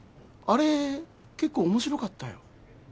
あれ結構面白かったよ。